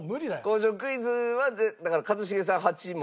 工場クイズはだから一茂さん８問。